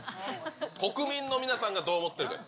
国民の皆さんがどう思っているかです。